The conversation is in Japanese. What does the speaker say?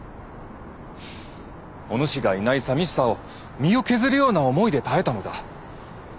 おぬしがいない寂しさを身を削るような思いで耐えたのだ。